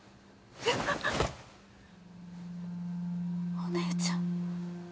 お姉ちゃん。